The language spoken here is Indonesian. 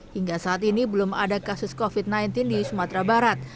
hingga saat ini belum ada kasus covid sembilan belas di sumatera barat